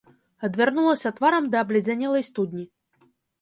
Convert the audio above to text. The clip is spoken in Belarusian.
Адвярнулася тварам да абледзянелай студні.